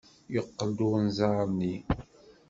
Yeqqel-d unẓar-nni.